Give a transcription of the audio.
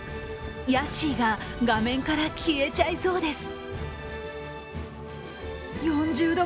ヤッシーが画面から消えちゃいそうです。